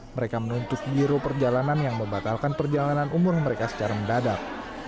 mereka menuntut biro perjalanan yang membatalkan perjalanan umur mereka secara mendadak